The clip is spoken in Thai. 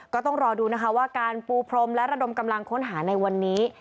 ก็ต้องรอดูนะคะว่าการปูพรมและระดมกำลังค้นหาในวันนี้